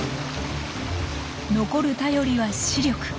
残る頼りは視力。